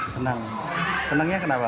senang senangnya kenapa